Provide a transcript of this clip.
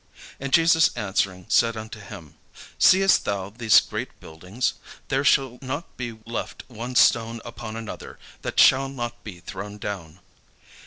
And Jesus answering said unto him, "Seest thou these great buildings? There shall not be left one stone upon another, that shall not be thrown down."